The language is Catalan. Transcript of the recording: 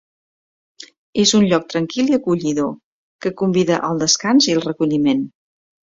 És un lloc tranquil i acollidor, que convida al descans i el recolliment.